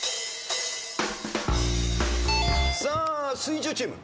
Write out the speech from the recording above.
さあ水１０チーム。